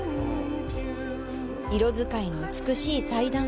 色使いの美しい祭壇。